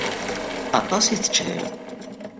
Aṭas i teččiḍ.